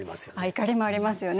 怒りもありますよね。